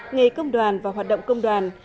nghề công đoàn và hoạt động công đoàn